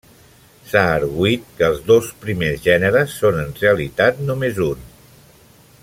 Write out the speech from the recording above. S'ha arguït que els dos primers gèneres són en realitat només un.